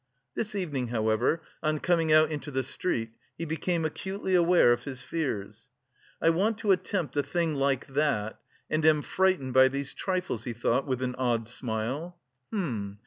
This evening, however, on coming out into the street, he became acutely aware of his fears. "I want to attempt a thing like that and am frightened by these trifles," he thought, with an odd smile. "Hm...